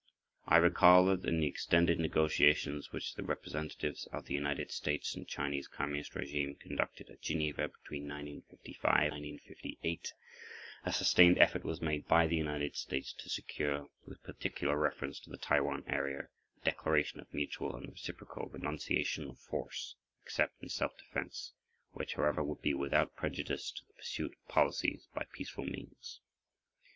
I recall that in the extended negotiations which the representatives of the United States and Chinese Communist regime conducted at Geneva between 1955 and 1958, a sustained effort was made by the United States to secure, with particular reference to the Taiwan [pg 5]area, a declaration of mutual and reciprocal renunciation of force, except in self defense, which, however, would be without prejudice to the pursuit of policies by peaceful means.